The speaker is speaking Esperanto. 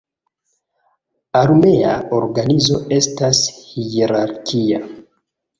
Armea organizo estas hierarkia.